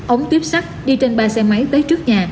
ống tiếp xác đi trên ba xe máy tới trước nhà